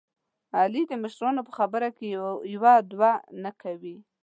علي د مشرانو په خبره کې یوه دوه نه کوي.